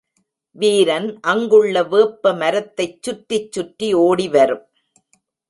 வீரன் அங்குள்ள வேப்ப மரத்தைச் சுற்றிச் சுற்றி ஓடிவரும்.